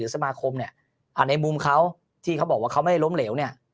สมาคมเนี่ยในมุมเขาที่เขาบอกว่าเขาไม่ได้ล้มเหลวเนี่ย